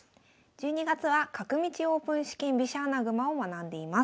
１２月は「角道オープン四間飛車穴熊」を学んでいます。